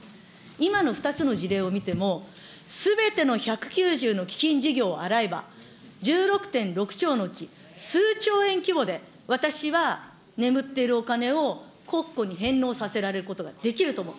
今の２つの事例を見ても、すべての１９０の基金事業を洗えば、１６．６兆のうち数兆円規模で、私は眠っているお金を国庫に返納させられることができると思う。